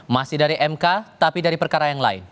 masih dari mk tapi dari perkara yang lain